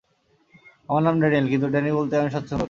আমার নাম ড্যানিয়েল, কিন্তু ড্যানি বলতেই আমি স্বাচ্ছন্দ্যবোধ করি।